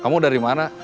kamu dari mana